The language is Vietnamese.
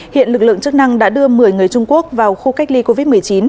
hiện lực lượng chức năng đã đưa một mươi người trung quốc vào khu cách ly covid một mươi chín